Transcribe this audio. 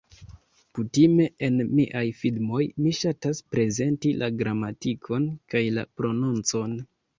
Kutime en miaj filmoj, mi ŝatas prezenti la gramatikon, kaj la prononcon.